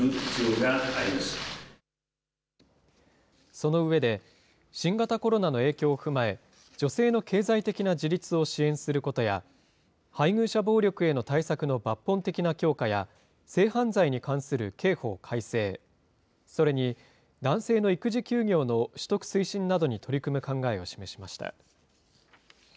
その上で、新型コロナの影響を踏まえ、女性の経済的な自立を支援することや、配偶者暴力への対策の抜本的な強化や、性犯罪に関する刑法改正、それに男性の育児休業の取得推進などに取り組む考えを示しました。